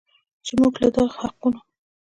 چې موږ له دغو حقونو